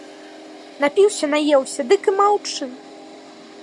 Напіўся, наеўся, дык і маўчы!